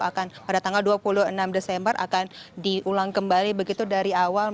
akan pada tanggal dua puluh enam desember akan diulang kembali begitu dari awal